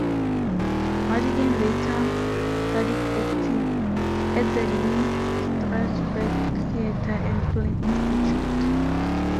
Madigan later studied acting at the Lee Strasberg Theatre and Film Institute.